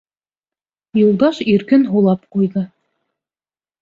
Юлдаш иркен һулап ҡуйҙы.